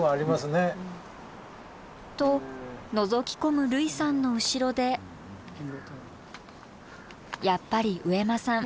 とのぞき込む類さんの後ろでやっぱり上間さん近づけないみたい。